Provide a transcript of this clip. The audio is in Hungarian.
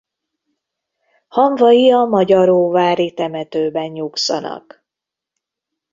Hamvai a magyaróvári temetőben nyugszanak.